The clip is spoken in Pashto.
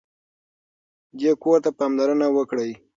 دې کور ته پاملرنه وکړئ.